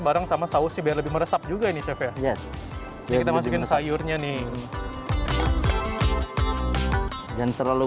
bareng sama sausnya lebih meresap juga ini saya yes kita masukin sayurnya nih dan terlalu